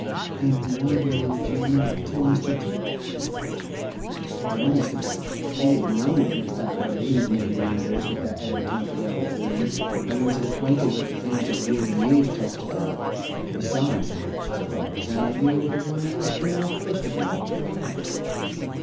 "And why did you not tell Mr. Temple?" "Well, Mr. Blake, he didn't know anything 'bout her evenin' rambles wi' that 'ere hinfidel willain, and wasn't acquainted wi' the things that you and me hev talked about; besides, I thought as 'ow you wer the one that ought to know first of all."